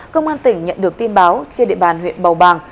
công an tỉnh nhận được tin báo trên địa bàn huyện bầu bàng